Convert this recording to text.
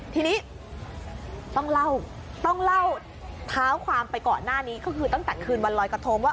ทีนี้ต้องเล่าต้องเล่าเท้าความไปก่อนหน้านี้ก็คือตั้งแต่คืนวันลอยกระทงว่า